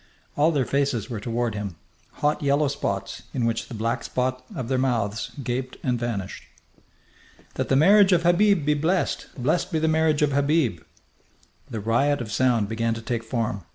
All their faces were toward him, hot yellow spots in which the black spots of their mouths gaped and vanished. "That the marriage of Habib be blessed! Blessed be the marriage of Habib!" The riot of sound began to take form.